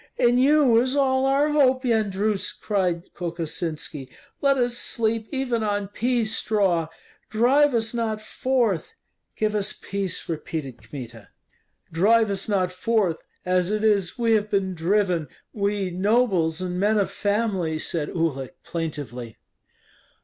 "In you is all our hope, Yendrus," cried Kokosinski, "Let us sleep even on pea straw; drive us not forth." "Give us peace," repeated Kmita. "Drive us not forth; as it is, we have been driven, we nobles and men of family," said Uhlik, plaintively.